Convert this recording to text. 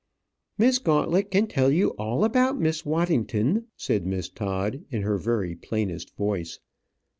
"Miss Gauntlet can tell you all about Miss Waddington," said Miss Todd, in her very plainest voice.